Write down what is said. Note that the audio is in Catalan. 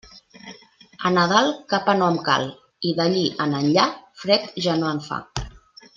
A Nadal, capa no em cal, i d'allí en enllà, fred ja no en fa.